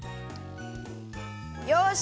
よし！